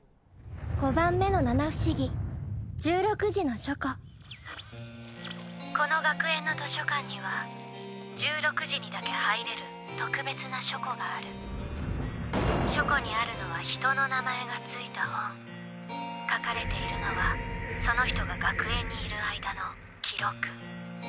五番目の七不思議１６時の書庫この学園の図書館には１６時にだけ入れる特別な書庫がある書庫にあるのは人の名前がついた本書かれているのはその人が学園にいる間の記録